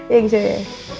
ya gitu ya